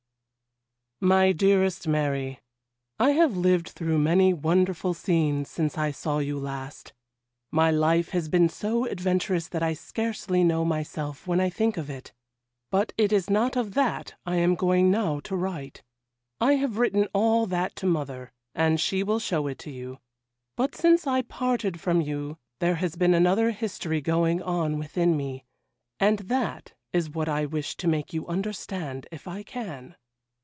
'MY DEAREST MARY,—I have lived through many wonderful scenes since I saw you last; my life has been so adventurous that I scarcely know myself when I think of it. But it is not of that I am going now to write; I have written all that to mother, and she will show it to you: but since I parted from you there has been another history going on within me, and that is what I wish to make you understand if I can.